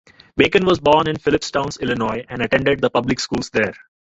Bacon was born in Phillipstown, Illinois and attended the public schools there.